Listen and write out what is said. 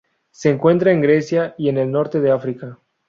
Se encuentra en Grecia y en el norte de África.